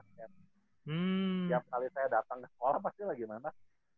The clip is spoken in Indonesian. setiap kali saya datang ke sekolah pasti lagi mana